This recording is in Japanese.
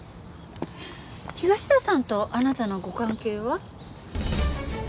東田さんとあなたのご関係は？